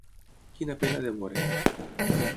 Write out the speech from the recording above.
Quina pena de veure